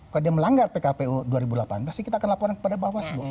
kalau dia melanggar pkpu dua ribu delapan pasti kita akan laporan kepada bawas